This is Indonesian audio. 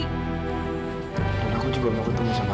lalu aku jangan lebih selalu bercanda